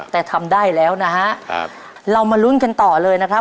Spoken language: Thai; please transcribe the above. แต่ทำได้แล้วนะฮะครับเรามาลุ้นกันต่อเลยนะครับ